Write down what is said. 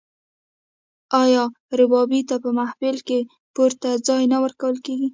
آیا ربابي ته په محفل کې پورته ځای نه ورکول کیږي؟